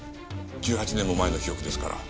１８年も前の記憶ですから。